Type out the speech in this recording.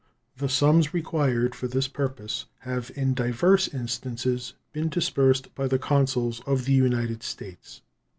The sums required for this purpose have in divers instances been disbursed by the consuls of the United States.